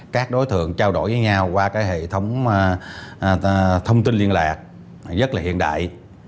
các đối tượng trao đổi với nhau qua hệ thống thông tin liên lạc rất là hiện đại